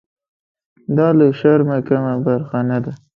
دا له شرمه کمه خبره نه ده.